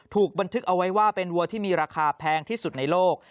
ถูกบันทึกเอาไว้ว่าเป็นวัวที่มีราคาแพงที่สุดในโลก